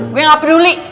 gue gak peduli